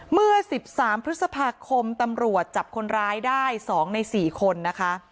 เมื่อ๑๓พฤษภาคมตำรวจจับคนร้ายได้๒ใน๔คนนะคะ